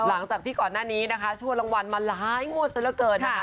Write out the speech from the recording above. หลังจากที่ก่อนหน้านี้ชวนรางวัลมาหลายหมดซะด้วยนะคะ